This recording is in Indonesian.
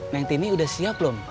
neng tini udah siap belum